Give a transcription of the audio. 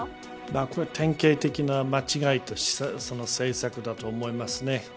これは典型的な間違いな政策だと思います。